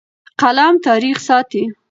قلم تاریخ ساتي.